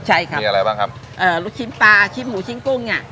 ใช่ครับมีอะไรบ้างครับเอ่อลูกชิ้นปลาอาชิ้นหมูชิ้นกุ้งเนี้ย